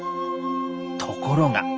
ところが。